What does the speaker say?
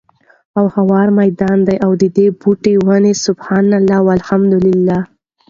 او هوار ميدان دی، او ددي بوټي وني سُبْحَانَ اللهِ، وَالْحَمْدُ للهِ